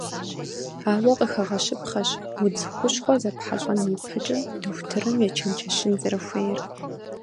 Ауэ къыхэгъэщыпхъэщ, удз хущхъуэ зэпхьэлӏэн ипэкӏэ дохутырым ечэнджэщын зэрыхуейр.